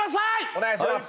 お願いします